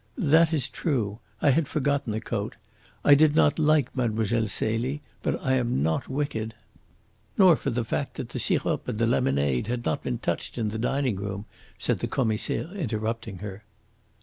"That is true. I had forgotten the coat. I did not like Mlle. Celie, but I am not wicked " "Nor for the fact that the sirop and the lemonade had not been touched in the dining room," said the Commissaire, interrupting her.